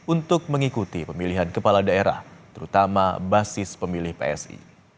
untuk mengikuti pemilihan kepala daerah terutama basis pemilih psi